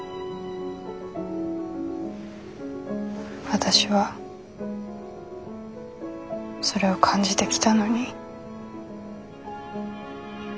私はそれを感じてきたのに。